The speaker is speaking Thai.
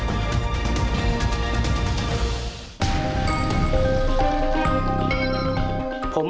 เอากลับมาวิทยาลัยครูมองหาทีมพิษ